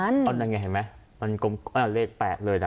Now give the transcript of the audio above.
อันนั้นไงหนิเห็นไหมอันเรียก๘เลยนะ